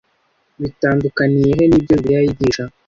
bitandukaniye he n’ibyo Bibiliya yigisha